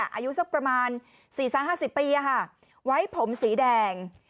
อายุสักประมาณสี่สามห้าสิบปีอ่ะค่ะไว้ผมสีแดง